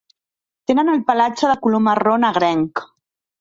Tenen el pelatge de color marró negrenc.